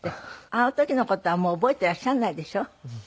あの時の事はもう覚えていらっしゃらないでしょ？